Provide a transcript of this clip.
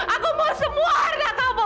aku mau semua harga kamu